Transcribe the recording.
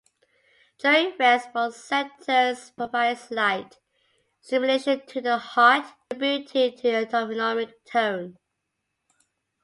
During rest, both centers provide slight stimulation to the heart, contributing to autonomic tone.